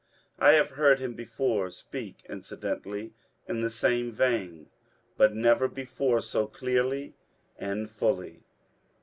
I have heard him before speak incidentally in the same vein, but never before so clearly and fully."